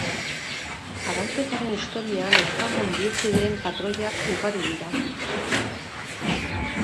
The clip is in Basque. Arraunketaren historian ezagun bihurtu diren patroiak ugari dira.